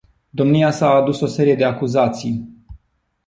Domnia sa a adus o serie de acuzații.